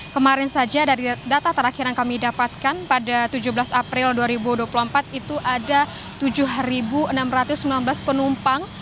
kemarin saja dari data terakhir yang kami dapatkan pada tujuh belas april dua ribu dua puluh empat itu ada tujuh enam ratus sembilan belas penumpang